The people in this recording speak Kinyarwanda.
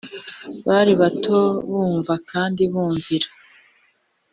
Bari bato bumva kandi bumvira